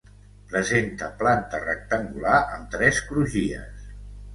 Presenta planta rectangular amb tres crugies.